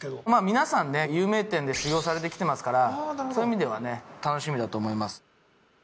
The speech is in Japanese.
皆さんね有名店で修業されてきてますからそういう意味ではね楽しみだと思います